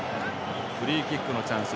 フリーキックのチャンス